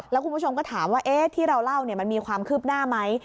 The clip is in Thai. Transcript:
แล้วคุณผู้ชมก็ถามว่าที่เราเล่ามันมีความคืบหน้าไหม